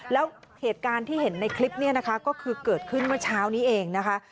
แล้วเหตุการณ์ที่เห็นในคลิปนี้นะคะก็คือเกิดขึ้นเมื่อเช้านี้เองนะคะ